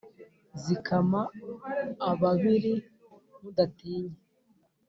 Zikama ababiri mudatinya